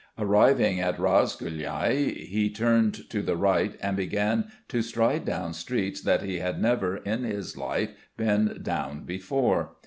Arriving at Razgoulyai, he turned to the right and began to stride down streets that he had never in his life been down before.